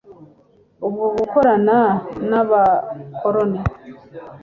bwo gukorana n'abakoloni